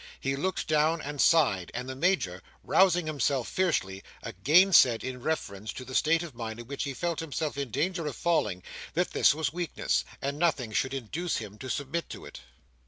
He looked down and sighed: and the Major, rousing himself fiercely, again said, in reference to the state of mind into which he felt himself in danger of falling, that this was weakness, and nothing should induce him to submit to it.